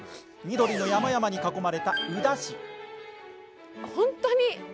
緑の山々に囲まれた宇陀市。